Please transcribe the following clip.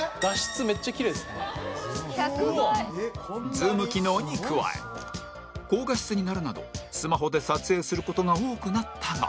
ズーム機能に加え高画質になるなどスマホで撮影する事が多くなったが